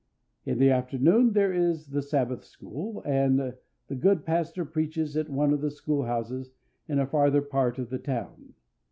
In the afternoon there is the Sabbath school, and the good pastor preaches at one of the school houses in a farther part of the town.